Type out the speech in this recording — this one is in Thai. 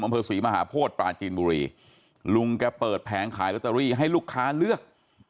อำเภอศรีมหาโพธิปราจีนบุรีลุงแกเปิดแผงขายลอตเตอรี่ให้ลูกค้าเลือก